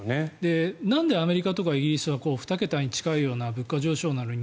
なんでアメリカとかイギリスは２桁に近いような物価上昇なのに